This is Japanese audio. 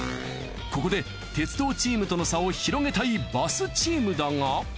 ここで鉄道チームとの差を広げたいバスチームだが。